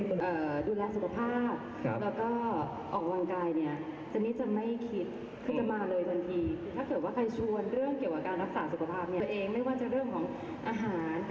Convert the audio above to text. ตัวเองไม่ว่าจะเรื่องของอาหารการออกวางกาย